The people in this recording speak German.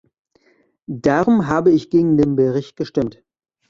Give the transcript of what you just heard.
Darum habe ich gegen den Bericht gestimmt.